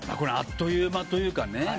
あっという間というかね。